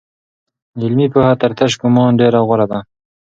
علمي پوهه تر تش ګومان ډېره غوره ده.